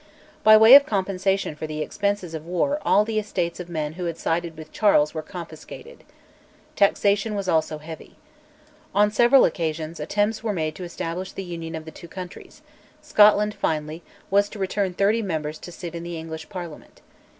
By way of compensation for the expenses of war all the estates of men who had sided with Charles were confiscated. Taxation also was heavy. On four several occasions attempts were made to establish the Union of the two countries; Scotland, finally, was to return thirty members to sit in the English Parliament.